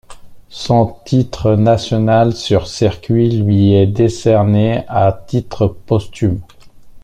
Son titre national sur circuits lui est décerné à titre posthume.